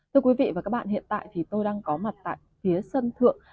thưa quý vị và các bạn hiện tại thì tôi đang có mặt tại phía sân thượng